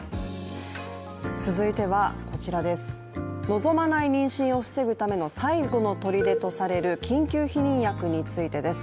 続いては、望まない妊娠を防ぐための最後のとりでとされる緊急避妊薬についてです